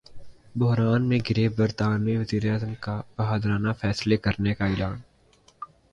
بحران میں گِھرے برطانوی وزیراعظم کا ’بہادرانہ فیصلے‘ کرنے کا اعلان